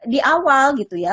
di awal gitu ya